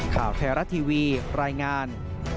ข่าวแทร่าทีวีรายงาน